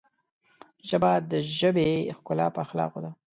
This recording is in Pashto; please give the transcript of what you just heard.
ژبه د ژبې ښکلا په اخلاقو ده